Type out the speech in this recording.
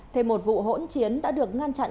thế một vụ hỗn chiến đã được ngăn chặn